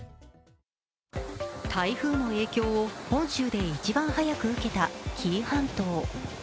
台風の影響を本州で一番早く受けた紀伊半島。